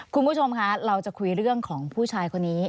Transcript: คุณผู้ชมคะเราจะคุยเรื่องของผู้ชายคนนี้